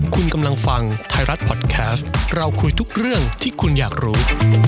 คุณกำลังฟังไทยรัฐพอดแคสต์เราคุยทุกเรื่องที่คุณอยากรู้